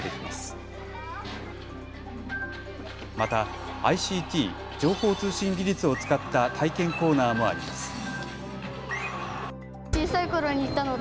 またＩＣＴ・情報通信技術を使った体験コーナーもあります。